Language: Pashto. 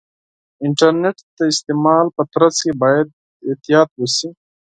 د انټرنیټ د استعمال په ترڅ کې باید احتیاط وشي.